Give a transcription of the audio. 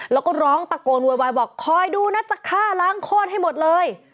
แล้วก็ร้องตะโกนโวยวายบอกคอยดูนะจะฆ่าล้างโคตรให้หมดเลย